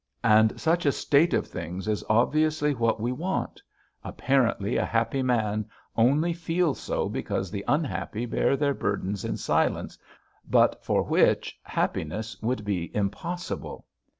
And such a state of things is obviously what we want; apparently a happy man only feels so because the unhappy bear their burden in silence, but for which happiness would be impossible.